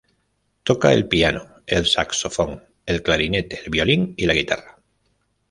Toca el piano, el saxofón, el clarinete, el violín y la guitarra.